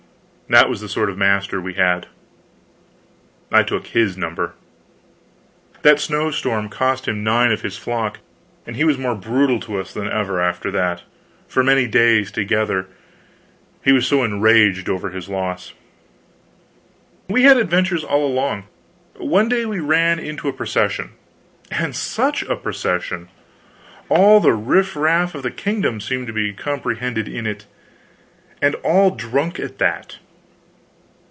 That was the sort of master we had. I took his number. That snow storm cost him nine of his flock; and he was more brutal to us than ever, after that, for many days together, he was so enraged over his loss. We had adventures all along. One day we ran into a procession. And such a procession! All the riffraff of the kingdom seemed to be comprehended in it; and all drunk at that.